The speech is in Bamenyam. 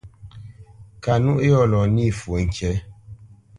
Kanúʼ yɔ̂ lɔ nî fwo ŋkǐ.